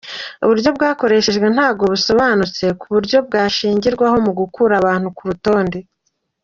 Uburyo bwakoreshejwe ntabwo busobanutse ku buryo bwashingirwaho mu gukura abantu ku rutonde.